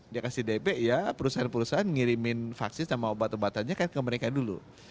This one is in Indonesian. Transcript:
dia kasih dp ya perusahaan perusahaan ngirimin vaksin sama obat obatannya kan ke mereka dulu